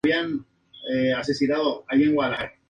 Variando desde historia antigua hasta actualidad contemporánea.